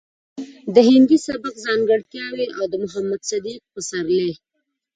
د هندي سبک ځانګړټياوې او د محمد صديق پسرلي